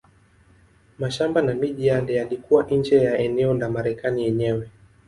Mashamba na miji yale yalikuwa nje ya eneo la Marekani yenyewe.